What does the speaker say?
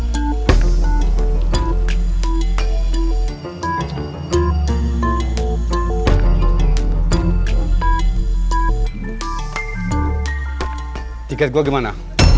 tiket gua gimana